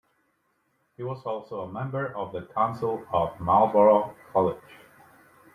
He was also a Member of the Council of Marlborough College.